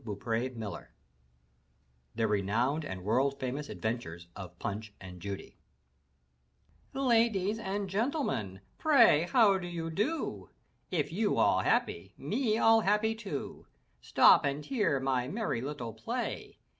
M Y BOOK HOUSE THE RENOWNED AND WORLD FAMOUS ADVENTURES OF PUNCH AND JUDY *' Ladies and gentlemeriy pray how you do? If you all happy, me all happy too. Stop and hear my merry little play.